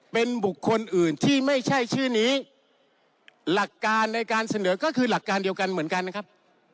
เป็นบุคคลอื่นที่ไม่ใช่ชื่อนี้หลักการในการเสนอก็คือหลักการเดียวกันเหมือนกันนะครับ